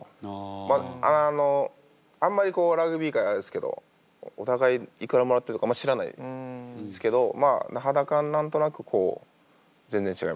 まああのあんまりラグビー界はあれですけどお互いいくらもらってるとかあんま知らないんですけどまあ肌感何となくこう全然違います。